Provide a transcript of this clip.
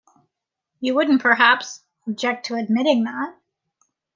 You wouldn't perhaps object to admitting that?